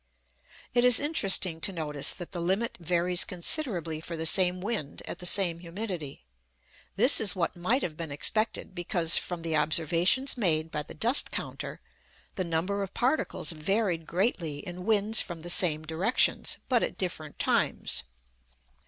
It is interesting to notice that the limit varies considerably for the same wind at the same humidity. This is what might have been expected, because from the observations made by the dust counter the number of particles varied greatly in winds from the same directions, but at different times.